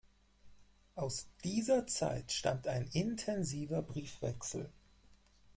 Aus dieser Zeit stammt ein intensiver Briefwechsel.